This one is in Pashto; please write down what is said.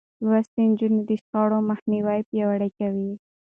لوستې نجونې د شخړو مخنيوی پياوړی کوي.